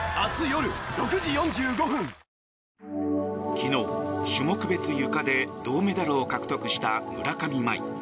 昨日、種目別ゆかで銅メダルを獲得した村上茉愛。